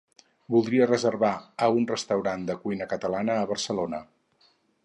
Voldria reservar a un restaurant de cuina catalana a Barcelona.